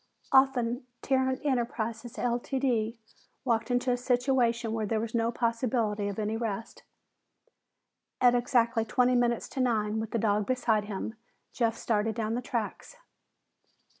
Often Tarrant Enterprises, Ltd., walked into a situation where there was no possibility of any rest. At exactly twenty minutes to nine, with the dog beside him, Jeff started down the tracks.